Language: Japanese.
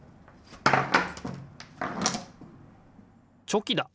チョキだ！